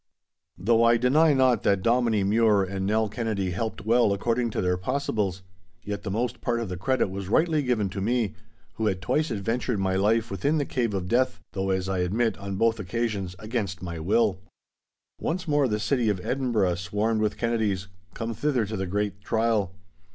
Though I deny not that Dominie Mure and Nell Kennedy helped well according to their possibles, yet the most part of the credit was rightly given to me, who had twice adventured my life within the Cave of Death—though, as I admit, on both occasions against my will. Once more the City of Edinburgh swarmed with Kennedys, come thither to the great trial.